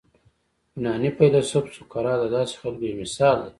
یوناني فیلسوف سقراط د داسې خلکو یو مثال دی.